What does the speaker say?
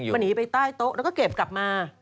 มันหนีไปใต้โต๊ะแล้วก็เก็บกลับมา